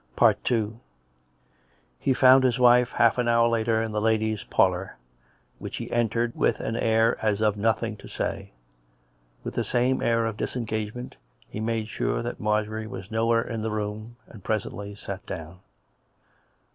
II He found his wife half an hour later in the ladies' par lour, which he entered with an air as of nothing to say. With the same air of disengagement he made sure that Marjorie was nowhere in the room, and presently sat down.